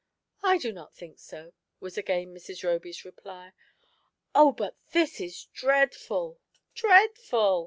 "I do not think so," was again Mrs. Roby's reply. "Oh, but this is dreadful — dreadful!"